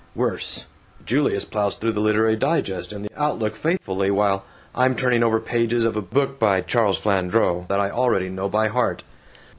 (Worse! Julius plows through the Literary Digest and the Outlook faithfully, while I'm turning over pages of a book by Charles Flandrau that I already know by heart.)